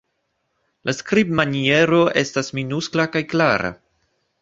La skribmaniero estas minuskla kaj klara.